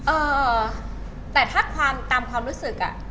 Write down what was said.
เออแต่ถ้าความตามความรู้สึกอ่ะ